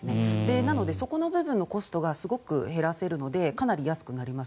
なので、そこの部分のコストが減らせるのでかなり安くなります。